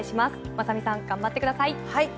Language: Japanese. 雅美さん頑張ってください。